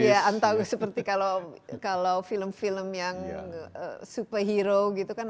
iya antago seperti kalau film film yang superhero gitu kan